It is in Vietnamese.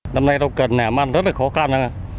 năm nay rau cần làm ăn rất là khó khăn